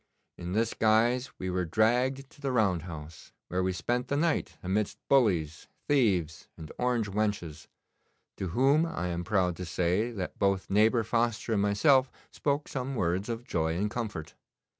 In this guise we were dragged to the round house, where we spent the night amidst bullies, thieves, and orange wenches, to whom I am proud to say that both neighbour Foster and myself spoke some words of joy and comfort.